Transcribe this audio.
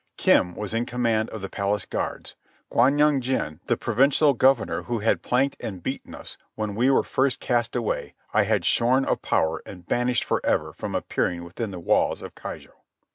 Kim was in command of the palace guards. Kwan Yung jin, the provincial governor who had planked and beaten us when we were first cast away, I had shorn of power and banished for ever from appearing within the walls of Keijo.